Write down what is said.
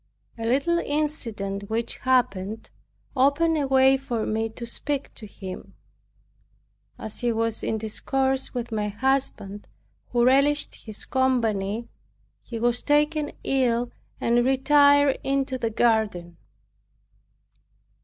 A little incident which happened opened a way for me to speak to him. As he was in discourse with my husband, who relished his company, he was taken ill and retired into the garden.